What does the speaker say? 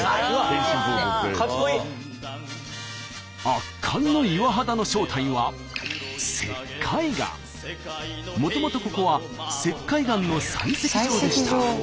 圧巻の岩肌の正体はもともとここは石灰岩の採石場でした。